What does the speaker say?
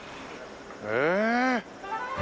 ええ！？